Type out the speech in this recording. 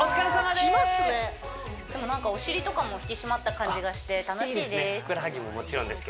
でもなんかお尻とかも引き締まった感じがして楽しいですいいですね